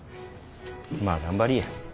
まあ頑張りぃや。